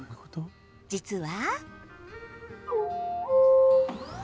実は